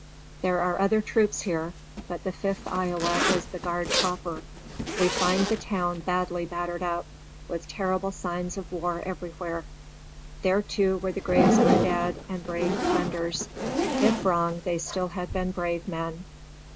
There are other troops here, but the Fifth Iowa is the guard proper. We find the town badly battered up, with terrible signs of war everywhere. There, too, were the graves of the dead and brave defenders. If wrong, they still had been brave men."